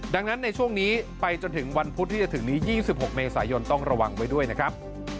ดังนั้นในช่วงนี้ไปจนถึงวันพุธที่จะถึงนี้๒๖เมษายนต้องระวังไว้ด้วยนะครับ